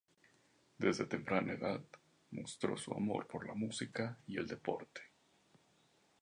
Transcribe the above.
Desde temprana edad mostró su amor por la música y el deporte.